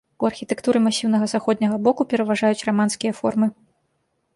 У архітэктуры масіўнага заходняга боку пераважаюць раманскія формы.